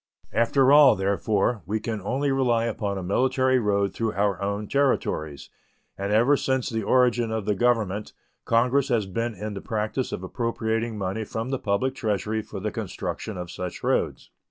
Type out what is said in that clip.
After all, therefore, we can only rely upon a military road through our own Territories; and ever since the origin of the Government Congress has been in the practice of appropriating money from the public Treasury for the construction of such roads.